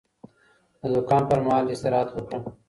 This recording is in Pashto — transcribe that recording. د زکام پر مهال استراحت وکړه